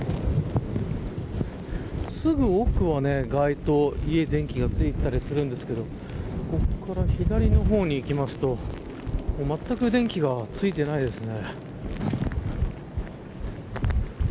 すぐ奥は街灯、家は電気がついていますけどここから左の方に行くとまったく電気がついていないですね。